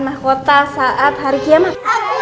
mahkota saat hari kiamat